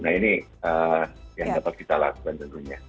nah ini yang dapat kita lakukan tentunya